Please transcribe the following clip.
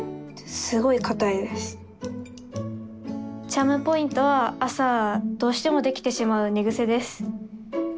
チャームポイントは朝どうしてもできてしまう寝癖です。